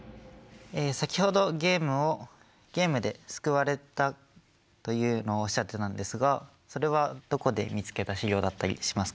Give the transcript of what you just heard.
先ほどゲームをゲームで救われたというのをおっしゃってたんですがそれはどこで見つけた資料だったりしますか？